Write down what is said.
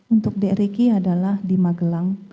untuk d ricky adalah di magelang